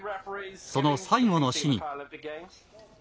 その最後の試技。